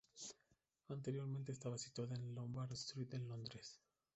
Anteriormente estaba situada en Lombard Street en Londres.